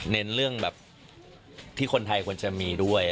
เน้นเรื่องแบบที่คนไทยควรจะมีด้วย